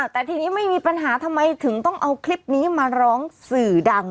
แต่ทีนี้ไม่มีปัญหาทำไมถึงต้องเอาคลิปนี้มาร้องสื่อดัง